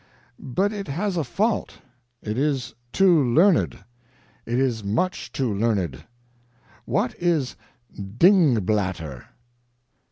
But it has a fault it is too learned, it is much too learned. What is 'DINGBLATTER'?